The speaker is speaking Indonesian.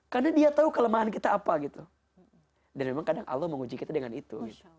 karena dia tahu kelemahan kita apa gitu dan memang kadang allah menguji kita dengan itu